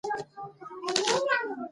د پښتو ژبې کلتور زموږ د ژوند روح دی.